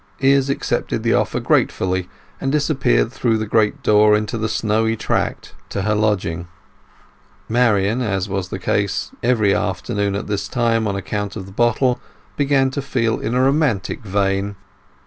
Izz accepted the offer gratefully, and disappeared through the great door into the snowy track to her lodging. Marian, as was the case every afternoon at this time on account of the bottle, began to feel in a romantic vein.